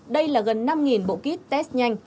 đây là gần năm bộ kit test nhanh